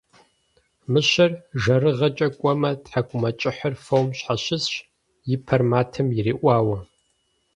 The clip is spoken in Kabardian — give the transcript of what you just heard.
Мыщэр жэрыгъэкӏэ кӏуэмэ - тхьэкӏумэкӏыхьыр фом щхьэщысщ, и пэр матэм ириӏуауэ.